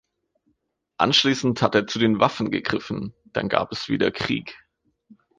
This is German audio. Anschließend hat er zu den Waffen gegriffen, dann gab es wieder Krieg.